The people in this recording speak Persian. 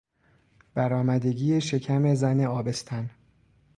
برآمدگی شکم زن آبستن